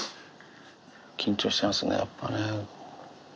緊張してますね、やっぱね。